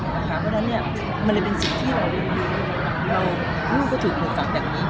เพราะฉะนั้นเนี่ยมันจะเป็นสิ่งที่เราพูดก็ถือถือฝังแบบนี้